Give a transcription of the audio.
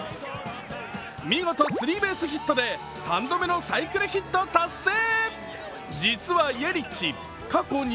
見事、スリーベースヒットで３度目のサイクルヒット達成。